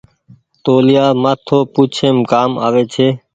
توليآ مآٿو پوڇيم ڪآم آوي ڇي ۔